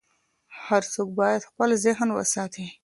هر څوک باید خپل ذهن وساتي.